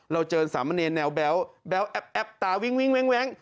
เราเจอสามเณรแนวแบ๊วแบ๊วแอ๊บตาวิ้ง